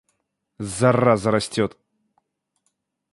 Зараза растет.